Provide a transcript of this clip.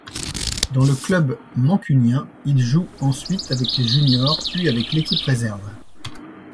Dans le club mancunien, il joue ensuite avec les juniors, puis avec l'équipe réserve.